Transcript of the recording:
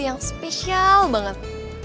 yang spesial banget